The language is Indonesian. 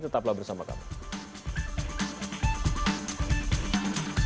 tetaplah bersama kami